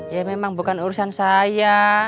ya memang bukan urusan saya